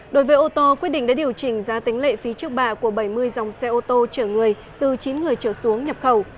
đối với ô tô quyết định đã điều chỉnh ra tính lệ phí trước bạ của bảy mươi dòng xe ô tô chở người từ chín người chở xuống nhập khẩu